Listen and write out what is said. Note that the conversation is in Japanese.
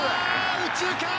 右中間！